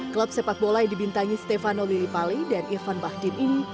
klub sepak bola yang dibintangi stefano lilipali dan irfan bahdin ini